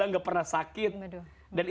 tapi tidak menjadikan dia dekat dengan tuhan ya